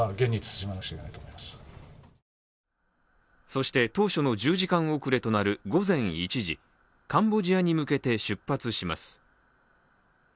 そして当初の１０時間遅れとなる午前１時、カンボジアに向けて出発します。